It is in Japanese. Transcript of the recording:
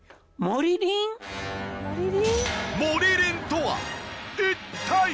モリリンとは一体？